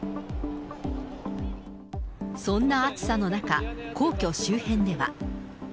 そんな暑さの中、皇居周辺では。